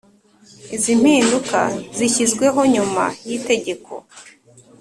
izi mpinduka zishyizweho nyuma y’itegeko